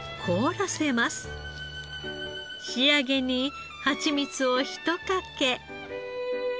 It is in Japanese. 仕上げにハチミツをひとかけ。